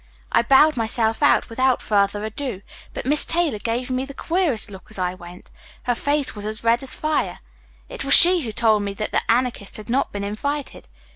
I bowed myself out without further ado, but Miss Taylor gave me the queerest look as I went. Her face was as red as fire. It was she who told me that the Anarchist had not been invited.